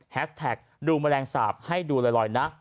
แท็กดูแมลงสาปให้ดูลอยนะ